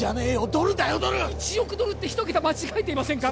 ドルだよドル１億ドルって一桁間違えていませんか？